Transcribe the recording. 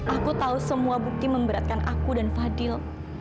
aku tahu semua bukti memberatkan aku dan fadil